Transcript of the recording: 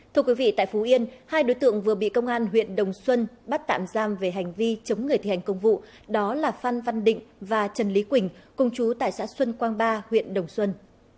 thưa quý vị tại phú yên hai đối tượng vừa bị công an huyện đồng xuân bắt tạm giam về hành vi chống người thi hành công vụ đó là phan văn định và trần lý quỳnh cùng chú tại xã xuân quang ba huyện đồng xuân